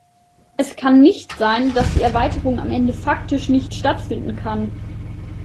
Es kann nicht sein, dass die Erweiterung am Ende faktisch nicht stattfinden kann.